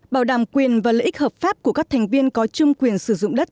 bảo đảm quyền và lợi ích hợp pháp của các thành viên có chung quyền sử dụng đất